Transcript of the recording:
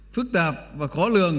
phức tạp và khó lường